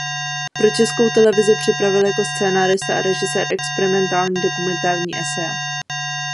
Pro Českou televizi připravil jako scenárista a režisér experimentální dokumentární eseje.